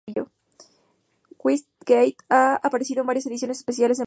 Westgate ha aparecido en varias ediciones especiales de Playboy.